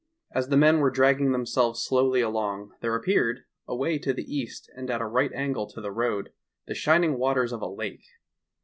As the men were dragging themselves slowly along, there appeared, away to the east and at a right angle to the road, the shining waters of a lake.